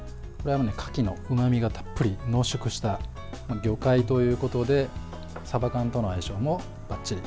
カキのうまみがたっぷり濃縮した魚介ということでさば缶との相性もばっちり。